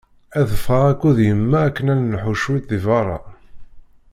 Ad ffɣeɣ akked yemma akken ad nelḥu ciṭ deg berra.